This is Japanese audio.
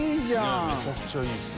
ねぇめちゃくちゃいいです。